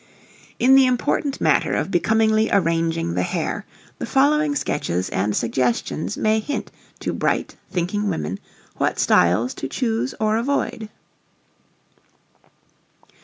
In the important matter of becomingly arranging the hair, the following sketches and suggestions may hint to bright, thinking, women what styles to choose or avoid.